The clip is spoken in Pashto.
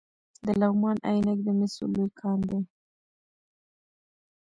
د لغمان عينک د مسو لوی کان دی